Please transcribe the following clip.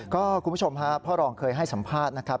คุณผู้ชมฮะพ่อรองเคยให้สัมภาษณ์นะครับ